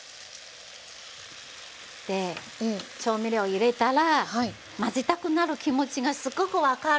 で調味料を入れたら混ぜたくなる気持ちがすごく分かる。